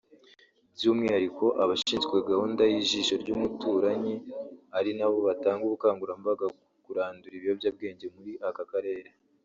by’umwihariko abashinzwe gahunda y’ijisho ry’umuturanyi ari nabo batanga ubukangurambaga ku kurandura ibiyobyabwenge muri aka karere